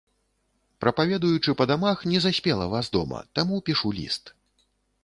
Прапаведуючы па дамах, не заспела вас дома, таму пішу ліст.